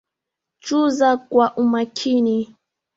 Chuza kwa umakini